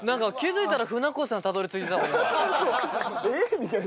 みたいな。